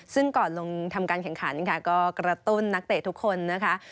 ซึ่งก่อนลงทำการแข่งขันค่ะก็กระตุ้นนักเตะทุกคนนะคะ